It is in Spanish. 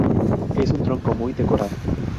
Es un trono muy decorado.